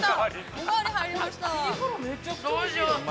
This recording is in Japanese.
おかわり入りました。